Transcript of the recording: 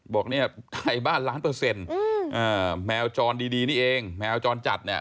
บอกเนี่ยไทยบ้านล้านเปอร์เซ็นต์แมวจรดีนี่เองแมวจรจัดเนี่ย